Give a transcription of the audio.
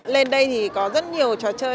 lên đây thì có rất nhiều trò chơi